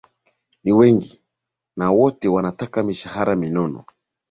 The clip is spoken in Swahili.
ni wengi na wote wanataka mishahara minono